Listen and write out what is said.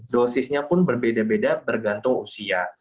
dosisnya pun berbeda beda bergantung usia